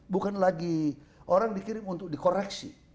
bukan lagi orang dikirim untuk dikoreksi